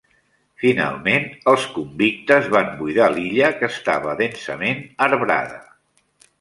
Finalment, els convictes van buidar l'illa que estava densament arbrada.